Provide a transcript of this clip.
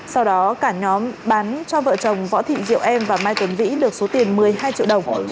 sau đó cả nhóm bán cho vợ chồng võ thị diệu em và mai tuấn vĩ được số tiền một mươi hai triệu đồng